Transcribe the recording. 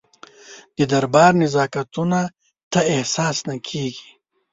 د دربار نزاکتونه ته احساس نه کېږي.